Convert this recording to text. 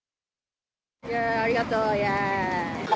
ありがとう。